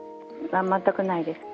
全くないです。